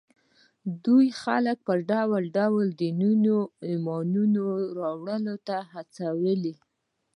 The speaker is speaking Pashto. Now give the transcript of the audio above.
دوی خلک پر ډول ډول دینونو ایمان راوړلو ته هڅولي